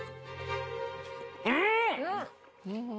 うん！